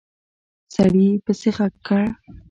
سړي پسې غږ کړ!